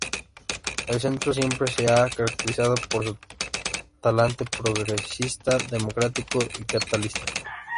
El Centro siempre se ha caracterizado por su talante progresista, democrático y catalanista.